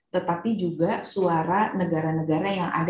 tetapi juga suara negara negara yang ada